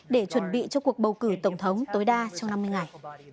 để chuẩn bị cho cuộc bầu cử tổng thống tối đa trong năm mươi ngày